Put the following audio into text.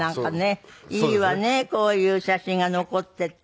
いいわねこういう写真が残ってて。